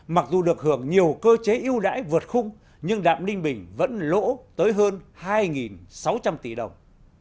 mặc dù được hưởng nhiều cơ chế yêu đãi vượt khung nhưng đạm ninh bình vẫn lỗ tới hơn hai sáu trăm linh tỷ đồng